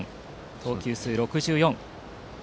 投球数は６４。